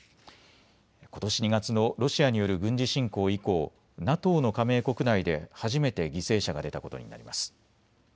ことし２月のロシアによる軍事侵攻以降、ＮＡＴＯの加盟国内で初めて犠牲者が出たことになります。